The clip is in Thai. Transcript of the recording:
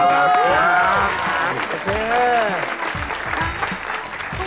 โอเค